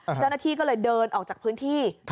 เจ้าหน้าที่ก็เลยเดินออกจากพื้นที่